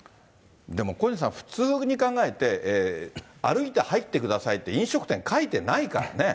でも小西さん、普通に考えて、歩いて入ってくださいって、飲食店、書いてないからね。